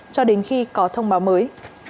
cho đến khi có thông báo mới